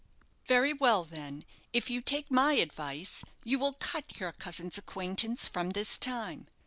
"Very well, then, if you take my advice, you will cut your cousin's acquaintance from this time.